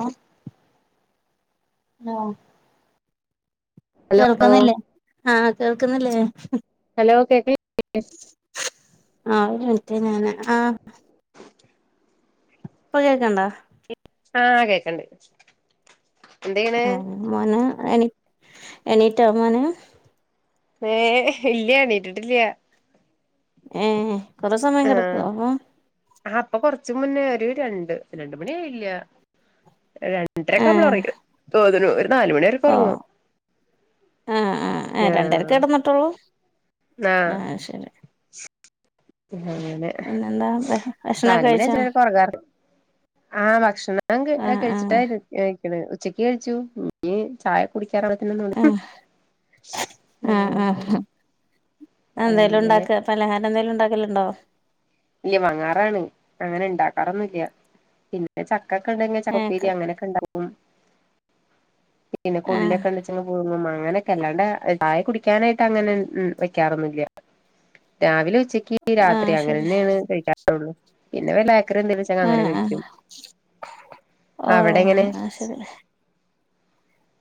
ആഹ് ആഹ് ഹലോ കേൾക്കുന്നില്ലേ ആഹ കേൾക്കുന്നില്ലേ ഹലോ കേക്ക ആ ഒരു മിനിററ് ഞാന ആഹ ഇപ്പൊ കേക്കണ്ടാ ആ കേക്കണ്ട് ആ മോന് എനി എനിട്ട മോശം ഏ ഇല്ലയണീട്ടിട്ടില്ല ഏ കുറെ സമയം ആഹ് കിടക്കോ ആ ഇപ്പൊ കൊറച്ച് മുന്നേ ഒരു രണ്ട് രണ്ട് മണിയായില്ല രണ്ടരക്കെ നമ്മള ഏഹ് ഒറങ്ങിക്ണ് തോന്ന്ണു ഒരു നാാലുമണി വരക്കെ ഒറങ്ങും ആ ആ ആ രണ്ടേരക്ക ആഹ് കെടന്നിട്ടുള്ളൂ ആഹ് ആ ശരി അങ്ങനെ പിന്നെന്താ ഭക്ഷണൊക്കെ കഴിച്ചോ നാലുമണിചാ ഒറങാറ് ആഹ ഭക്ഷണം ആഹ് ആഹ് കഴിച്ചിട്ടായി കഴിക്ക ഉച്ചക്ക് കഴിച്ചു നീ ചായ കുടി കേരളത്തിനന്ന വിളി ആഹ് ഉം എന്തോലും ഉണ്ടാക്ക പലഹാരം എന്തായാലും ഉണ്ടാക്കലുണ്ടോ ഇല്ല്യ വങ്ങാറാണ് അങ്ങനെ ഉണ്ടാക്കാറൊന്നുല്ല പിന്നെ ച ഇക്കക്കണ്ടെങ്കിൽ ചക്കപേരി ഏഹ് അങ്ങനൊക്കെ ഉണ്ടാവും പിന്നെ ആഹ് കൊള്ളിക്കെ ഉണ്ടെച്ചെങ്ക പുഴുങും മാ അങ്ങനെയൊക്കെ അല്ലാണ്ട് ചായ കുടിക്കാനായിട്ട് അങ്ങനെ ഉ വെക്കാറൊന്നില്ല രാവിലെ ഉച്ച രാത്രി ആഹ് അങ്ങനെ ശരി തന്നെയാണ് കഴിക്കാറുള്ളൂ പിന്നെ വില അന്ത വെച്ച അങ്ങനെ ആഹ് ആഹ് കഴിക്കും അവിടെ ഓഹ് എങ്ങനെ ആഹ് ശരി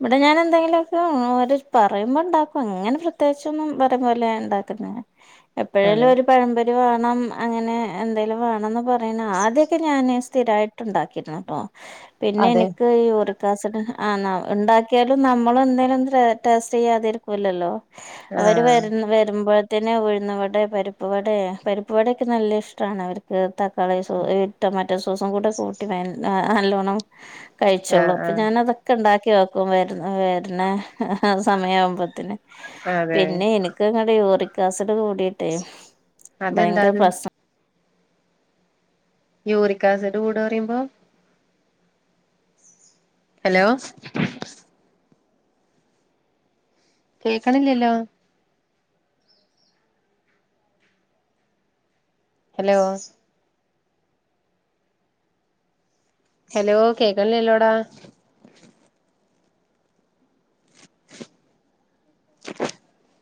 ഇവിടെ ഞാൻ എന്തെങ്കിലുക്കെ ഓര് പറയുമ്പോ ഉണ്ടാക്കും ഇങ്ങനെ പ്രത്യേകിച്ച ഒന്നും പറയ പോലെ ഉണ്ടാക്ക ആ [unintelligible] എപ്പോഴേലും ഒരു പഴമ്പൊരി വേണം അങ്ങനെ എന്തേലിലും വേണംന്ന് പറയണ ആദ്യൊക്കെ ഞാന് സ്ഥിരായിട്ട ഉണ്ടാക്കിരുന്നു കേട്ടോ പിന്നെ അതെ എനിക്ക് ഈ യുറക്കാസിഡ് ആ ഉണ്ടാക്കിയാലും നമ്മൾ എന്തേലും ടേസ്റ്റ് ചെയ്യാതരിക്കൂില്ലല്ലല്ലോ അവര് ആഹ് വര വരുമ്പോ തനെ ഉഴുന്നവട പരിപ്പ്ുവട പരിപ്പ്ുവടയൊക്കെ നല്ല ഇഷ്ടമാണ് അവർക്ക് തക്കാളി സോസ് മറ്റ സസം കൂടെ കൂട്ടി നല്ലോണം കഴിച്ചോുള്ളു ആഹ് അപ്പ ആഹ് ഞാന അതൊക്കെ ഉണ്ടാക്കി [unintelligible] ഇക്ക് ഒറക്കം വര്ണ് ആ സമയാവ അതെ പിന്നെ എനിക്ക്ങ്ങടെ യൂറിക്കാസ് ട് കൂടിട്ടേ അതെന്താ ഭയങ്കര അത് പ്രശ്നം യൂറിക് ആസിഡ് കൂടുന്നു പറയുമ്പോ ഹലോ കേക്കണില്ലല്ലോ ഹലോ ഹലോ കേക്കല്ലേലോടാ [inaudible]